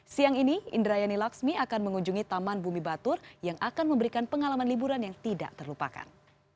siang ini indrayani laksmi akan mengunjungi taman bumi batur yang akan memberikan pengalaman liburan yang tidak terlupakan